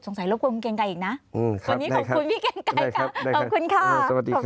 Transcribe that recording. สงสัยรบกวนพี่เกียงไก่อีกนะวันนี้ขอบคุณพี่เกียงไก่ค่ะ